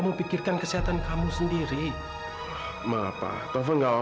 mereka kemana sih